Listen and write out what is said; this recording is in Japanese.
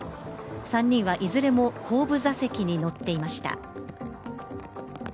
３人はいずれも後部座席に乗っていました。